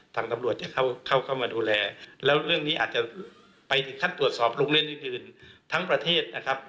ตำรวจจะเข้าเข้ามาดูแลแล้วเรื่องนี้อาจจะไปถึงขั้นตรวจสอบโรงเรียนอื่นทั้งประเทศนะครับ